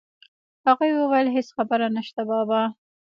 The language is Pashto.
ويې ويل هېڅ خبره نشته بابا.